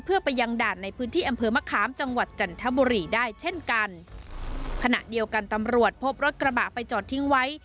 จังหวัดจันทบุรีได้เช่นกันขณะเดียวกันตำรวจพบรถกระบะไปจอดทิ้งไว้